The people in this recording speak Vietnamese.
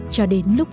cho đến lúc